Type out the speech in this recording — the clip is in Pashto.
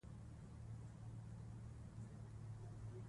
مېلې د ټولني د فرهنګي تبادلې یوه مهمه وسیله ده.